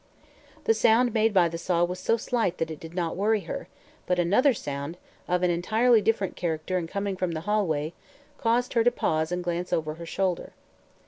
The sound made by the saw was so slight that it did not worry her, but another sound, of an entirely different character and coming from the hallway, caused her to pause and glance over her shoulder.